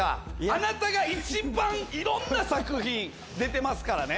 あなたが一番いろんな作品出てますからね。